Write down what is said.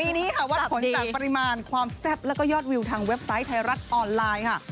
นี้ค่ะวัดผลจากปริมาณความแซ่บแล้วก็ยอดวิวทางเว็บไซต์ไทยรัฐออนไลน์ค่ะ